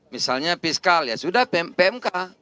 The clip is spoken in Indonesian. misalnya fiskal ya sudah pmk